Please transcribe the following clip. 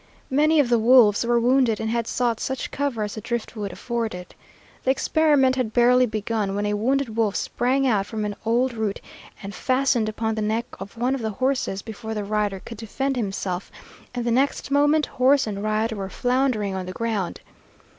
Many of the wolves were wounded and had sought such cover as the driftwood afforded. The experiment had barely begun, when a wounded wolf sprang out from behind an old root, and fastened upon the neck of one of the horses before the rider could defend himself, and the next moment horse and rider were floundering on the ground.